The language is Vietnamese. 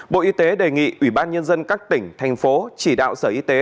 bộ y tế đề nghị ủy ban nhân dân các tỉnh thành phố chỉ đạo sở y tế